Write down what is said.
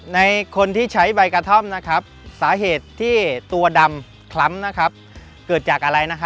ในคนที่ใช้ใบกระท่อมสาเหตุที่ตัวดำคล้ำเกิดจากอะไร